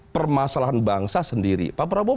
permasalahan bangsa sendiri pak prabowo